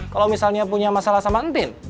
kalau misalnya punya masalah sama entin